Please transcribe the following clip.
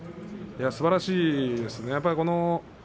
すばらしいですね。